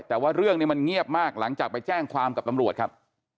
แต่ว่าเรื่องนี้มันเงียบมากหลังจากไปแจ้งความกับตำรวจครับ